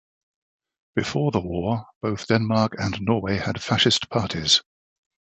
Before the war, both Denmark and Norway had fascist parties.